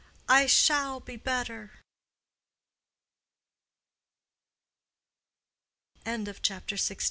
I shall be better." CHAPTER LXX.